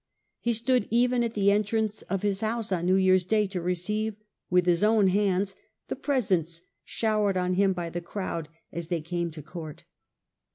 He stood even at the entrance of his house on New Yearns Day to receive with his own hands the pre sents showered on him by the crowd as they came to court.